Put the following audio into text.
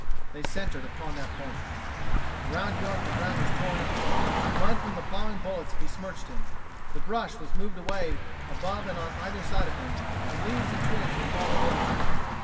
They centered on that point. Around York the ground was torn up. Mud from the plowing bullets besmirched him. The brush was mowed away above and on either side of him, and leaves and twigs were falling over him.